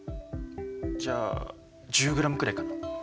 じゃあ１０ｇくらいかな？